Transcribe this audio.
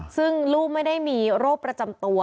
ซึ่งลูกไม่ได้มีโรคประจำตัว